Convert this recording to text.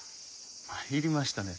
参りましたね。